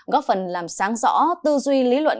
góp phần làm sáng rõ tư duy lý luận